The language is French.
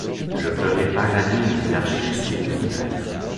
Je ferai parader mes archers sous vos fenêtres.